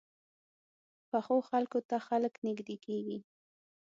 پخو خلکو ته خلک نږدې کېږي